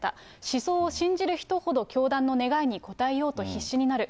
思想を信じる人ほど教団の願いに応えようと必死になる。